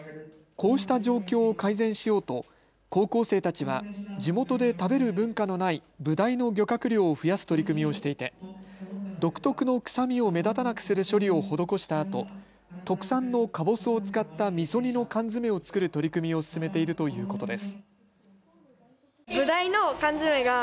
こうした状況を改善しようと高校生たちは地元で食べる文化のないブダイの漁獲量を増やす取り組みをしていて独特の臭みを目立たなくする処理を施したあと特産のかぼすを使ったみそ煮の缶詰を作る取り組みを進めているということです。